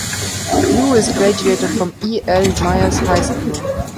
Lewis graduated from E. L. Meyers High School.